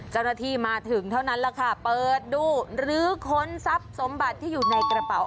เจ้าหน้าที่มาถึงเท่านั้นแหละค่ะเปิดดูลื้อค้นทรัพย์สมบัติที่อยู่ในกระเป๋า